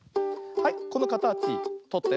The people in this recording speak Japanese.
はいこのかたちとって。